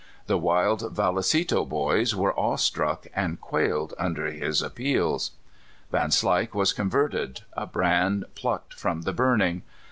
The wild Valle cito "boys" were awe struck, and quailed under his appeals. Vanslyke w'as converted, a brand plucked from the burning.